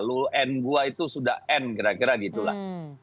lool and gua itu sudah end kira kira gitu lah